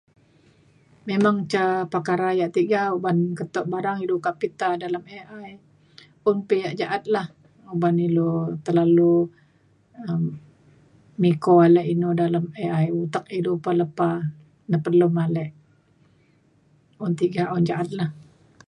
memang ca perkara yak tiga uban keto barang ilu kak pita dalem AI un pa yak ja’at lah uban ilu terlalu um miko ida dalem AI utek ilu pa lepah nepelum ale. un tiga un ja’at lah.